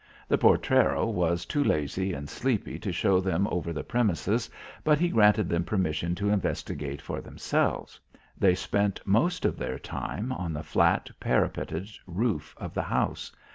The portero was too lazy and sleepy to show them over the premises, but he granted them permission to investigate for themselves. They spent most of their time on the flat parapeted roof of the house.